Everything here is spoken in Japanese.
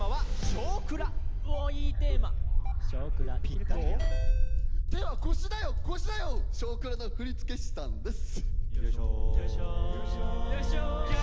「少クラ」の振付師さんです！